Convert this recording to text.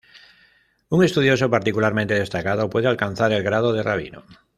Un estudioso particularmente destacado puede alcanzar el grado de "Rabino".